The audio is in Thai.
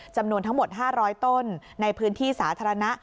จำนวนทั้งหมด๕๐๐ต้นในพื้นที่สาธารณะ